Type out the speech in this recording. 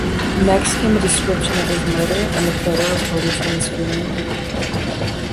Next came a description of his murder and a photo reportage from his funeral.